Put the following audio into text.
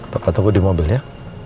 papa tunggu di mobil ya